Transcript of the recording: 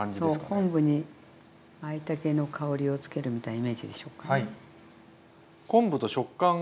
昆布にまいたけの香りをつけるみたいなイメージでしょうかね。